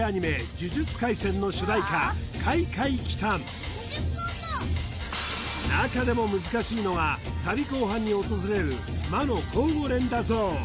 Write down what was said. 「呪術廻戦」の主題歌中でも難しいのがサビ後半に訪れる魔の交互連打ゾーン